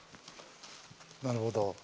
なるほど。